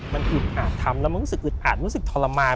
มันหยุดอาจทำแล้วมันอาจรู้สึกทรมาน